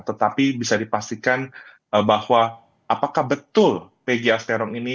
tetapi bisa dipastikan bahwa apakah betul peggy alias perong ini